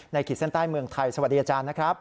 ขีดเส้นใต้เมืองไทยสวัสดีอาจารย์นะครับ